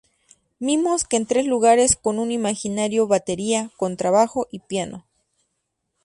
Mimos que en tres lugares, con un imaginario batería, contrabajo y piano.